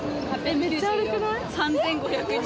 めっちゃあるくない？